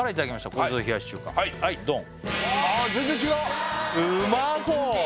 これぞ冷やし中華はいドン！